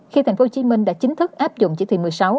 khi tp hcm đã chính thức áp dụng chỉ thị một mươi sáu